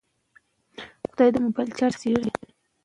که لوبه وي نو ذهن نه ستړی کیږي.